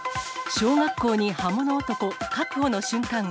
小学校に刃物男、確保の瞬間。